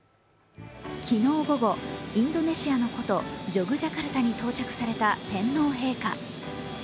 昨日午後、インドネシアの古都・ジョグジャカルタに到着された天皇陛下。